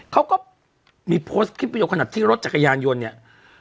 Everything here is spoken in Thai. เขาก็มีโพสต์คลิปประโยคขนาดที่รถจักรยานยนต์เนี่ย